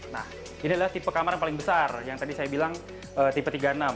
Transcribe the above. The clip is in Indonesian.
nah ini adalah tipe kamar yang paling besar yang tadi saya bilang tipe tiga puluh enam